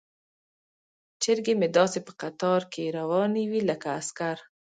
چرګې مې داسې په قطار کې روانې وي لکه عسکر.